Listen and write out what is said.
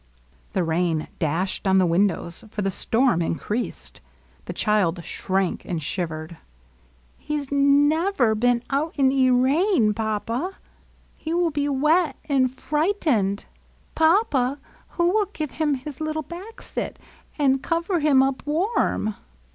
The rain dashed on the wIq dows, for the storm increased; the child shrank and shivered. " He 's nefoer been out in 'e rain. Papa ! He will be wet — and frightened. Papa, who will give him his little baxet, and cover him up warm?